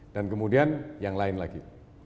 dan kemudian yang lain lagi